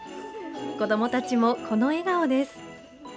子どもたちもこの笑顔です。